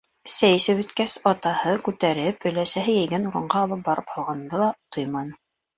Сәй эсеп бөткәс, атаһы, күтәреп, өләсәһе йәйгән урынға алып барып һалғанды ла тойманы.